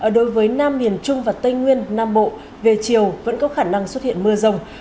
đối với nam miền trung và tây nguyên nam bộ về chiều vẫn có khả năng xuất hiện mưa rông